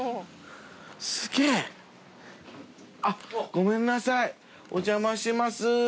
ごめんなさいお邪魔します。